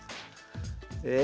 え？